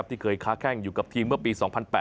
ที่เคยค้าแข้งอยู่กับทีมเมื่อปี๒๐๐๘